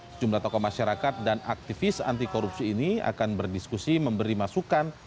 sejumlah tokoh masyarakat dan aktivis anti korupsi ini akan berdiskusi memberi masukan